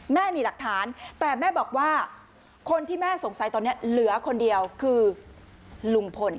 แม่มีหลักฐานแต่แม่บอกว่าคนที่แม่สงสัยตอนนี้เหลือคนเดียวคือลุงพล